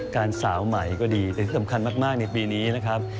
การสาวใหม่ก็ดีแต่ที่สำคัญมากในปีนี้นะครับ